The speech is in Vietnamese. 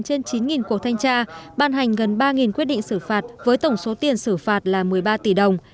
trên chín cuộc thanh tra ban hành gần ba quyết định xử phạt với tổng số tiền xử phạt là một mươi ba tỷ đồng